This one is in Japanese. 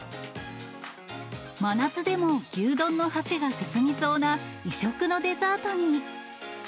真夏でも牛丼の箸が進みそうな、異色のデザートに。